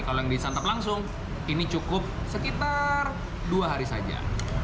kalau yang disantap langsung ini cukup sekitar dua hari saja